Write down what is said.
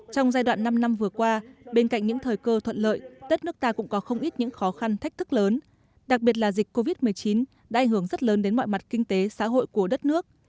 trong giai đoạn năm năm vừa qua bên cạnh những thời cơ thuận lợi đất nước ta cũng có không ít những khó khăn thách thức lớn đặc biệt là dịch covid một mươi chín đã ảnh hưởng rất lớn đến mọi mặt kinh tế xã hội của đất nước